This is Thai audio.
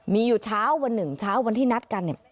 มีอยู่เช้าวันหนึ่งเช้าวันที่นัดกันเนี่ย